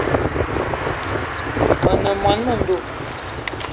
Me ne mô-mendum